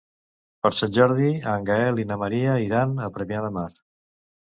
Per Sant Jordi en Gaël i na Maria iran a Premià de Mar.